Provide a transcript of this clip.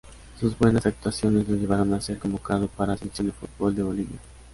Sus buenas actuaciones lo llevaron a ser convocado para Selección de fútbol de Bolivia.